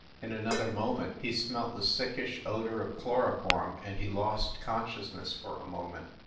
In another moment he smelt the sickish odor of chloroform, and he lost con sciousness for a moment.